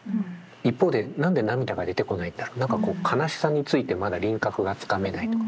一方で何で涙が出てこないんだろう何かこう悲しさについてまだ輪郭がつかめないとか。